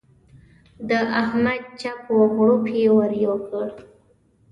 د احمد چپ و غړوپ يې ور یو کړ.